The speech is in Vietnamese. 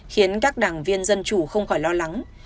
khiến các đảng viên dân chủ không khỏi lo lắng